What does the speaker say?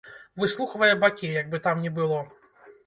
Выслухвае бакі, як бы там ні было.